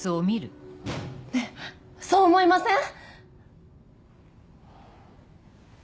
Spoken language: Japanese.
ねぇそう思いません